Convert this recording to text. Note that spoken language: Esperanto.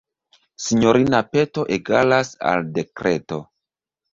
Sinjorina peto egalas al dekreto.